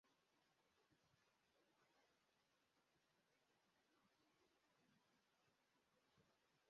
Imbwa nini yijimye irimo kunyura mumazi mu nyanja